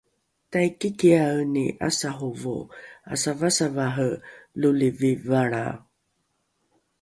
taikikiaeni ’asarovo asavasavare lolivi valra